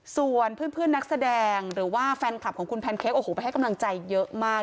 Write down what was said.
ส่วนเพื่อนนักแสดงหรือว่าแฟนคลับของคุณแพนเค้กโอ้โหไปให้กำลังใจเยอะมาก